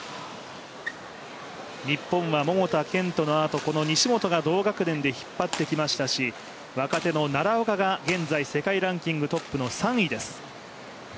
日本は桃田賢斗のあとこの西本が同学年で引っ張ってきましたし、若手の奈良岡が、現在世界ランキングトップの３位です。